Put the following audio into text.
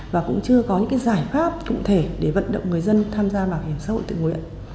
và cũng chưa có những giải pháp cụ thể để vận động người dân tham gia bảo hiểm xã hội tự nguyện